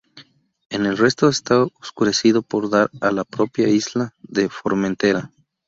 En el resto está oscurecido por dar a la propia isla de Formentera.